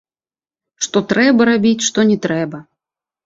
Што трэба рабіць, што не трэба.